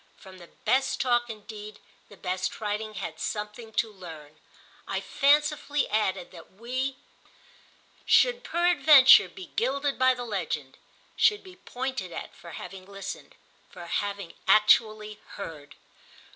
From the best talk indeed the best writing had something to learn. I fancifully added that we too should peradventure be gilded by the legend, should be pointed at for having listened, for having actually heard.